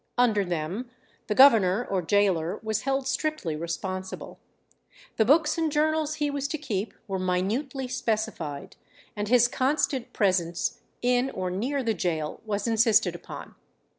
Under them the governor or gaoler was held strictly responsible. The books and journals he was to keep were minutely specified, and his constant presence in or near the gaol was insisted upon.